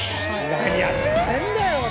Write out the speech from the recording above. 何やってんだよ！